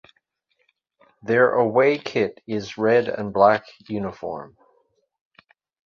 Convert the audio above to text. Their away kit is red and black uniform.